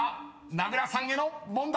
名倉さんへの問題］